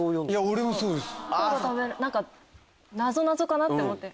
僕もそうです。